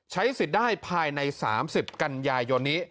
ใช้สิทธิ์ได้ภายใน๓๐กันยายนนี้